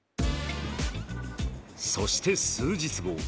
そして、数日後。